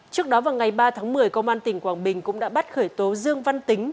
trước đó vào ngày ba tháng một mươi công an tỉnh quảng bình cũng đã bắt khởi tố dương văn tính